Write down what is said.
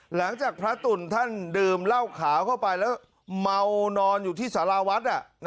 หลังจากพระตุ่นท่านดื่มเหล้าขาวเข้าไปแล้วเมานอนอยู่ที่สาราวัด